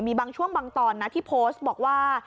มีบางช่วงบางตอนนะที่โพสต์บอกว่า